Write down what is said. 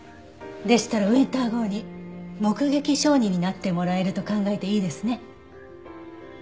でしたらウィンター号に目撃証人になってもらえると考えていいですね。